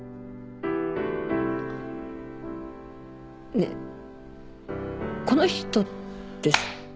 ねえこの人って。